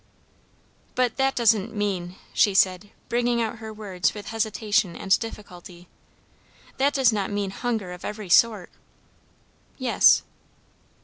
"But that doesn't mean" she said, bringing out her words with hesitation and difficulty, "that does not mean hunger of every sort?" "Yes."